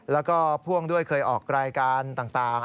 แล้วก็พ่วงด้วยเคยออกรายการต่าง